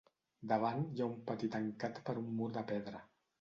Davant hi ha un pati tancat per un mur de pedra.